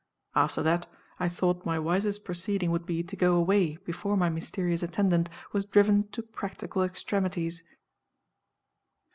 After that, I thought my wisest proceeding would be to go away before my mysterious attendant was driven to practical extremities.